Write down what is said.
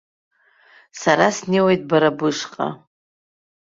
Сара снеиуеит бара бышҟа.